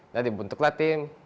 nah dibuntuk lah tim